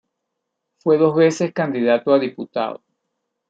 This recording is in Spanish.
Fue dos veces candidato a diputado.